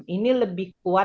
ini lebih kuat